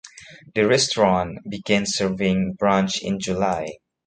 The restaurant began serving brunch in July.